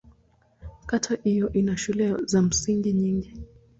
Kata hiyo ina shule za msingi nyingi.